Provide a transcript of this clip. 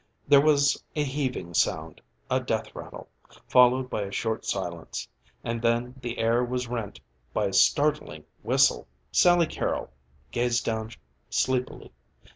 There was a heaving sound, a death rattle, followed by a short silence; and then the air was rent by a startling whistle. Sally Carrol gazed down sleepily.